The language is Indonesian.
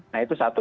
nah itu satu